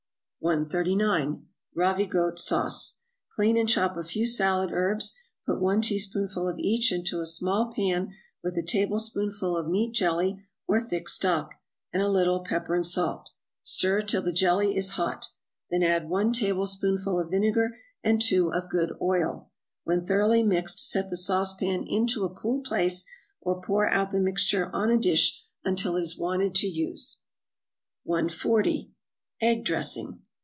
139. =Ravigote Sauce.= Clean and chop a few salad herbs, put one teaspoonful of each into a small pan with a tablespoonful of meat jelly or thick stock, and a little pepper and salt; stir till the jelly is hot, and then add one tablespoonful of vinegar, and two of good oil; when thoroughly mixed set the sauce pan into a cool place, or pour out the mixture on a dish until it is wanted for use. 140. =Egg Dressing.